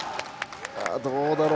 どうだろう。